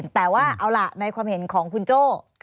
แต่ว่าเอาล่ะในความเห็นของคุณโจ้